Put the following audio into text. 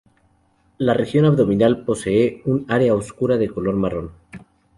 La región abdominal Posee un área oscura de color marrón.